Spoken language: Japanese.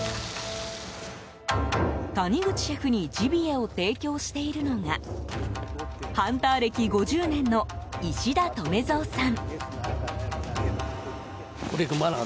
谷口シェフにジビエを提供しているのがハンター歴５０年の石田留蔵さん。